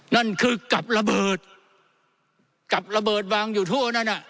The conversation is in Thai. นั่นคือกับระเบิดกับระเบิดวางอยู่ทั่วนั่นอ่ะ